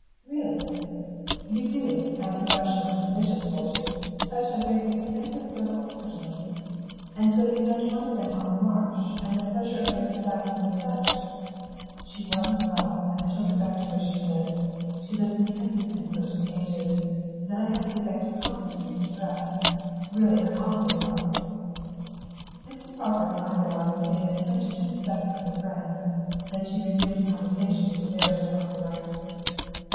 "Really. You do, as the rationalist bishop told you, touch a very extensive circle, certainly. And so you met one of them on this marsh, and the pleasure of their society was such " "She wasn't well, and I took her back to where she lived. She lives in Kensington, so it took ages; then I had to get back to Compton Street to dress. Really, I'm awfully sorry." Mrs. Crawford's eyebrows conveyed attention to the sex of the friend; then she resumed conversation with the barrister on her right.